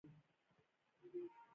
چړه ژوند ته اړ شوي.